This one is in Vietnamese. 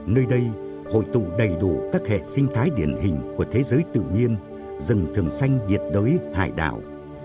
nơi đây hội tụ đầy đủ các hệ sinh thái điển hình của thế giới tự nhiên rừng thường xanh nhiệt đới hải đảo